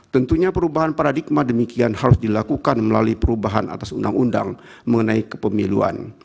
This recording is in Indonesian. tentunya perubahan paradigma demikian harus dilakukan melalui perubahan atas undang undang mengenai kepemiluan